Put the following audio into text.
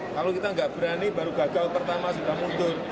kalau kita nggak berani baru gagal pertama sudah mundur